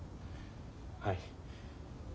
はい。